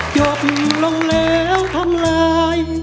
จบลงแล้วทำลาย